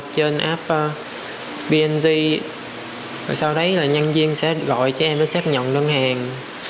trên app png rồi sau đấy là nhân viên sẽ gọi cho em để xác nhận đơn hàng